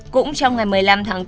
cũng trong ngày một mươi năm tháng bốn